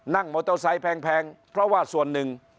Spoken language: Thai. นั่งมอเตอร์ไซค์แพงเพราะว่าส่วนหนึ่ง